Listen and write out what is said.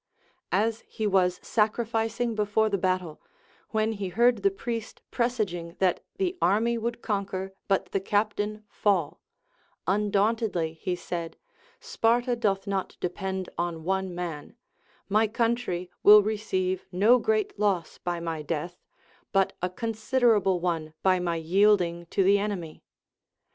As he was sacrificing before the battle, when he heard the priest presaging that the army Avould conquer but the captain fall, undauntedly he said : Sparta doth not depend on one man ; my country will receive no great loss by my death, but a considerable one by my yielding to the enemy.